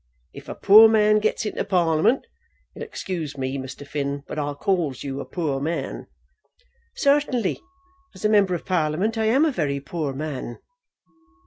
If a poor man gets into Parliament, you'll excuse me, Mr. Finn, but I calls you a poor man." "Certainly, as a member of Parliament I am a very poor man."